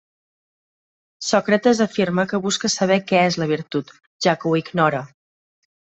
Sòcrates afirma que busca saber què és la virtut, ja que ho ignora.